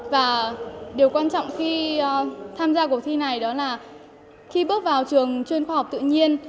và điều quan trọng khi tham gia cuộc thi này đó là khi bước vào trường chuyên khoa học tự nhiên